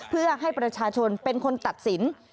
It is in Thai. เพื่อให้ประชาชนเป็นคนตัดสิน